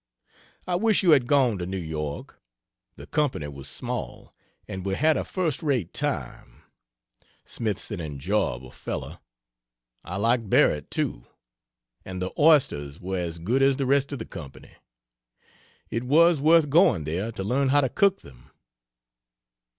I wish you had gone to New York. The company was small, and we had a first rate time. Smith's an enjoyable fellow. I liked Barrett, too. And the oysters were as good as the rest of the company. It was worth going there to learn how to cook them.